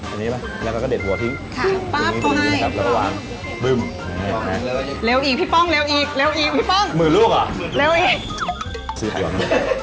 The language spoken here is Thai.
อันนี้นะแล้วก็เด็ดหัวทิ้ง